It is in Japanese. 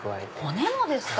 骨もですか。